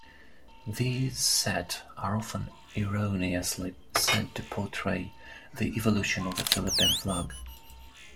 These set are often erroneously said to portray the "Evolution of the Philippine Flag".